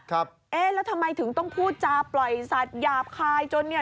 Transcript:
เอ๊ะแล้วทำไมถึงต้องพูดจาปล่อยสัตว์หยาบคายจนเนี่ย